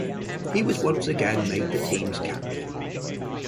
He was once again made the team's captain.